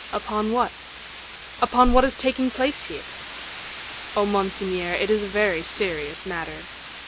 "Upon what?" "Upon what is taking place here." "Oh, monseigneur, it is a very serious matter."